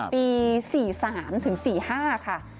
ปี๔๓ถึง๔๕ค่ะ